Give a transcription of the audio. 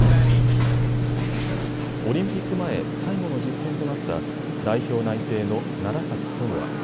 オリンピック前、最後の実戦となった代表内定の楢崎智亜。